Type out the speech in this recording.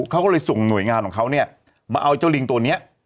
เขาก็เลยส่งหน่วยงานของเขาเนี่ยมาเอาเจ้าลิงตัวนี้